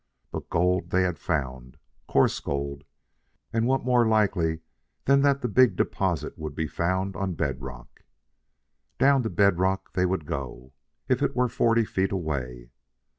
But gold they had found coarse gold; and what more likely than that the big deposit would be found on bed rock? Down to bed rock they would go, if it were forty feet away.